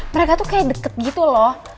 mereka tuh kayak deket gitu loh